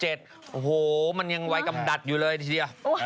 โอ้โหมันยังวัยกำดัดอยู่เลยทีเดียว